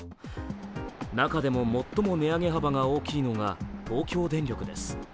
中でも、最も値上げ幅が大きいのが東京電力です。